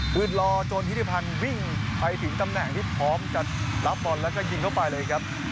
คืนรอจนฮิริพันธ์วิ่งไปถึงตำแหน่งที่พร้อมจะรับบอลแล้วก็ยิงเข้าไปเลยครับ